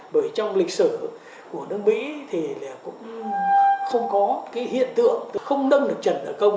bởi trong lịch sử của nước mỹ thì là cũng không có cái hiện tượng không đâm được trần nợ công